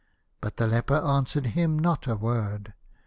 But the leper answered him not a word.